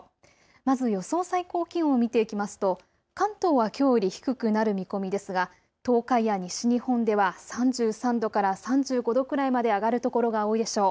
まず予想最高気温を見ていきますと関東はきょうより低くなる見込みですが東海や西日本では３３度から３５度くらいまで上がる所が多いでしょう。